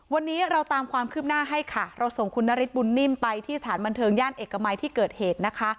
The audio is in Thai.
วันนี้เราตามความคืบหน้าให้ค่ะเราส่งคุณนฤทธบุญนิ่มไปที่สถานบันเทิงย่านเอกมัยที่เกิดเหตุนะคะ